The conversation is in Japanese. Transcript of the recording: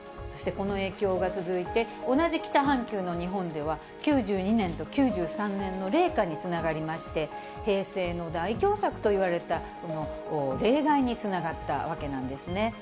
そしてこの影響が続いて、同じ北半球の日本では、９２年と９３年の冷夏につながりまして、平成の大凶作といわれた、この冷害につながったわけなんですね。